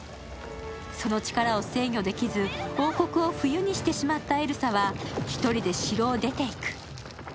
その力を制御できず、王国を冬にしてしまったエルサは１人で城を出ていく。